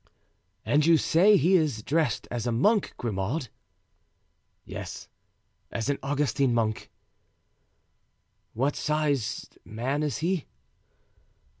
"And you say he is dressed as a monk, Grimaud?" "Yes, as an Augustine monk." "What sized man is he?"